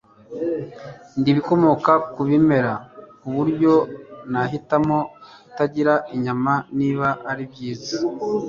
ndi ibikomoka ku bimera, ku buryo nahitamo kutagira inyama, niba ari byiza